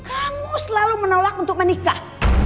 kamu selalu menolak untuk menikah